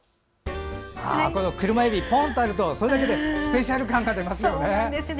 クルマエビ、ぽんとあるとそれだけでスペシャル感が出ますよね。